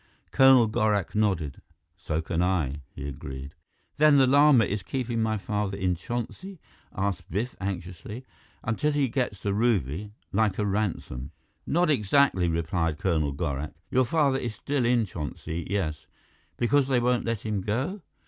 Colonel Gorak nodded. "So can I!" he agreed. "Then the Lama is keeping my father in Chonsi?" asked Biff anxiously. "Until he gets the ruby like a ransom?" "Not exactly," replied Colonel Gorak. "Your father is still in Chonsi, yes " "Because they won't let him go?"